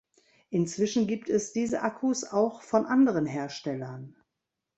Inzwischen gibt es diese Akkus auch von anderen Herstellern.